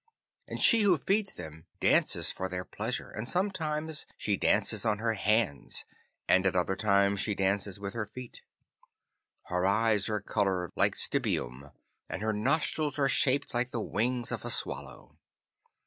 And she who feeds them dances for their pleasure, and sometimes she dances on her hands and at other times she dances with her feet. Her eyes are coloured with stibium, and her nostrils are shaped like the wings of a swallow.